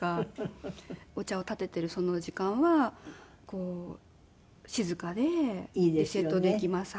お茶をたてているその時間は静かでリセットできます。